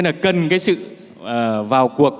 nên là cần cái sự vào cuộc